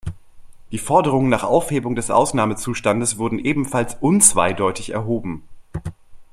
Die Forderung nach Aufhebung des Ausnahmezustandes wurde ebenfalls unzweideutig erhoben.